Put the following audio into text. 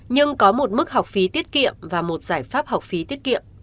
nhưng có một mức học phí tiết kiệm và một giải pháp học phí tiết kiệm